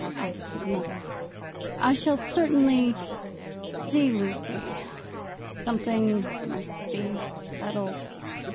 asked his mother. "I shall certainly see Lucy. Something must be settled."